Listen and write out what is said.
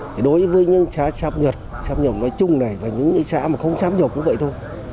thì đối với những xã sắp nhập sắp nhập nói chung này và những xã mà không sắp nhập cũng vậy thôi